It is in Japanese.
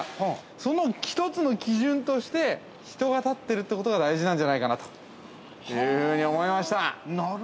その１つの基準として、人が立っているということが大事じゃないかというふうに思いました。